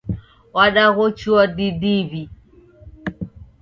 Wandaghochua didiw'i.